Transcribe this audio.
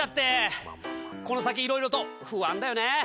この先いろいろと不安だよね。